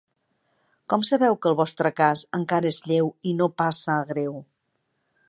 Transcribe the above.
Com sabeu que el vostre cas encara és lleu i no passa a greu?